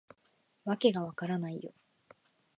わけが分からないよ